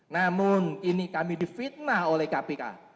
namun ini kami difitnah oleh kpk